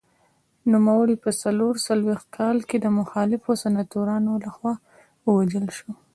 نوموړی په څلور څلوېښت کال کې د مخالفو سناتورانو لخوا ووژل شو.